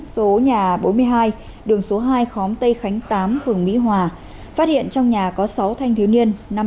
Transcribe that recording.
số nhà bốn mươi hai đường số hai khóm tây khánh tám phường mỹ hòa phát hiện trong nhà có sáu thanh thiếu niên